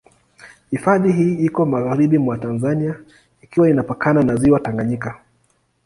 Hifadhi hii iko magharibi mwa Tanzania ikiwa inapakana na Ziwa Tanganyika.